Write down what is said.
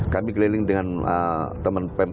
kami keliling dengan teman pemkot